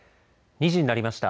２時になりました。